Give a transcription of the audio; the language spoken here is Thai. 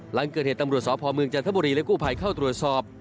หลังเกิดเหตุตำรวจสพเมืองจันทบุรีและกู้ภัยเข้าตรวจสอบ